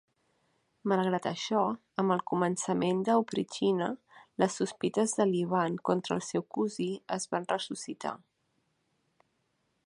Malgrat això, amb el començament de Oprichnina, les sospites d'Ivan contra el seu cosí es van ressuscitar.